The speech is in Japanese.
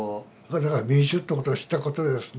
だから民衆ってことを知ったことですね。